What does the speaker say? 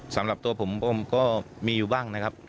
สำหรับตัวผมก็มีอยู่บ้างนะครับ